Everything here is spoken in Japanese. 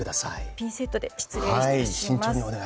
ピンセットで失礼します。